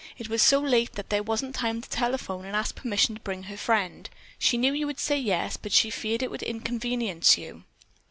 It was so late that there wasn't time to telephone and ask permission to bring her friend. She knew you would say yes, but she feared it would inconvenience you."